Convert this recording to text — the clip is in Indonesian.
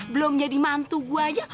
belum jadi mantu gue aja